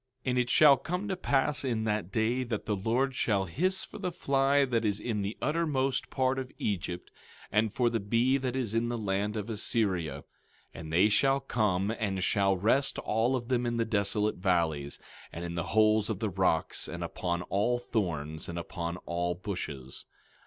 17:18 And it shall come to pass in that day that the Lord shall hiss for the fly that is in the uttermost part of Egypt, and for the bee that is in the land of Assyria. 17:19 And they shall come, and shall rest all of them in the desolate valleys, and in the holes of the rocks, and upon all thorns, and upon all bushes.